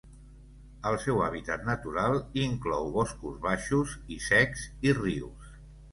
El seu hàbitat natural inclou boscos baixos i secs i rius.